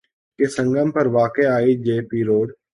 کے سنگم پر واقع آئی جے پی روڈ